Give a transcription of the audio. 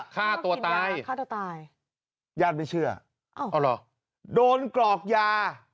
ฆ่าตัวตายฆ่าตัวตายยาดไม่เชื่อโดนกรอกยา